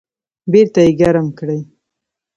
بیرته یې ګرم کړئ